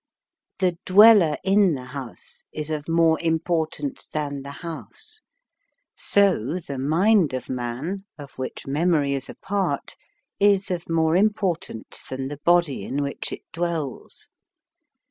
The dweller in the house 76 MIND, MATTER is of more importance than the house, so the mind of man, of which memory is a part, is of more importance than the body in which it dwells.